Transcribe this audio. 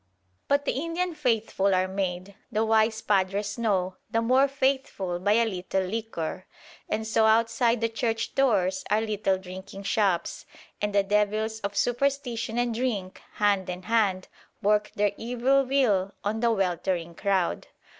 But the Indian faithful are made, the wise padres know, the more faithful by a little liquor; and so outside the church doors are little drinking shops, and the devils of superstition and drink, hand in hand, work their evil will on the weltering crowd.